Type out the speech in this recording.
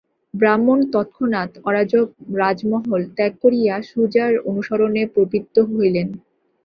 ব্রাহ্মণ তৎক্ষণাৎ অরাজক রাজমহল ত্যাগ করিয়া সুজার অনুসরণে প্রবৃত্ত হইলেন।